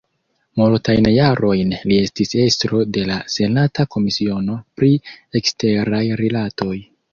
Multajn jarojn li estis estro de la senata komisiono pri eksteraj rilatoj.